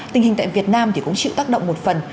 tình hình tại việt nam thì cũng chịu tác động một phần